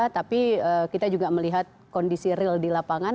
tapi kita juga melihat kondisi real di lapangan